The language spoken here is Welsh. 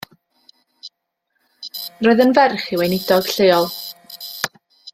Roedd yn ferch i weinidog lleol.